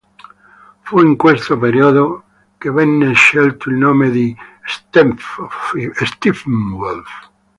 Fu in questo periodo che venne scelto il nome di "Steppenwolf".